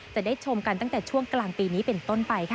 จะได้ชมกันตั้งแต่ช่วงกลางปีนี้เป็นต้นไปค่ะ